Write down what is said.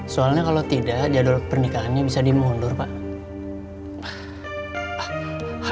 soalnya kalau tidak jadwal pernikahannya bisa dimundur pak